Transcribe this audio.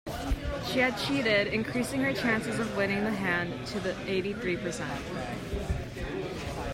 She had cheated, increasing her chances of winning the hand to eighty-three percent